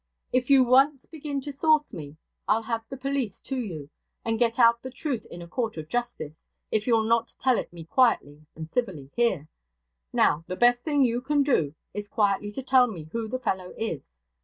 If you once begin to sauce me, I'll have the police to you, and get out the truth in a court of justice, if you'll not tell it me quietly and civilly here. Now, the best thing you can do is quietly to tell me who the fellow is.